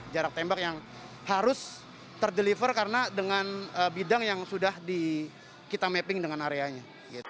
jarak tembak yang harus terdeliver karena dengan bidang yang sudah kita mapping dengan areanya